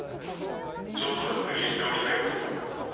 ちょっと確認しておきたいことがある。